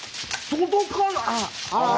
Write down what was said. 届かない！